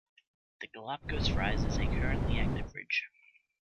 The Galapagos Rise is a currently active ridge.